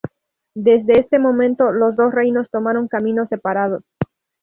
Desde este momento los dos reinos tomaron caminos separados.